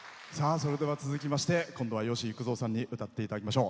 それでは、続きまして今度は吉幾三さんに歌っていただきましょう。